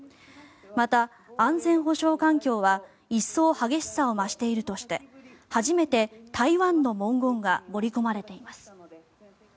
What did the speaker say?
また、安全保障環境は一層激しさを増しているとして初めて「台湾」の文言が盛り込まれています。